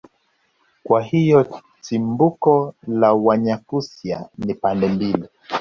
kwa hiyo chimbuko la wanyakyusa ni pande mbili